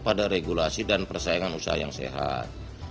pada regulasi dan persaingan usaha yang sehat